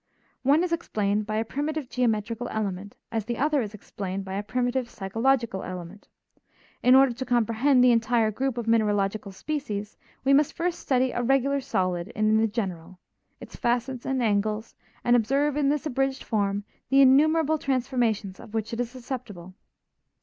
One is explained by a primitive geometrical element as the other is explained by a primitive psychological element. In order to comprehend the entire group of mineralogical species we must first study a regular solid in the general, its facets and angles, and observe in this abridged form the innumerable transformations of which it is susceptible.